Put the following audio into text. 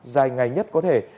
dài ngày nhất có thể